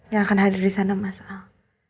yang akan hadir di sana mas al